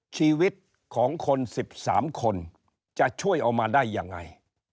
ชีวิตของคน๑๓คนจะช่วยเอามาได้ยังไง